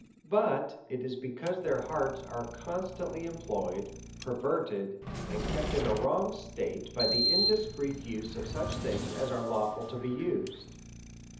But it is because their hearts are constantly em ployed, perverted, and kept in a wrong state, by the indiscreet use of such things as are lawful to be used.